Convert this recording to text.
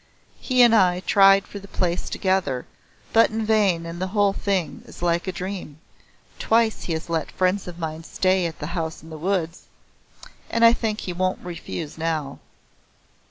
He and I tried for the place together, but in vain and the whole thing is like a dream. Twice he has let friends of mine stay at The House in the Woods, and I think he won't refuse now."